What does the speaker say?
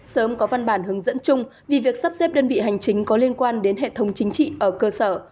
sớm có văn bản hướng dẫn chung vì việc sắp xếp đơn vị hành chính có liên quan đến hệ thống chính trị ở cơ sở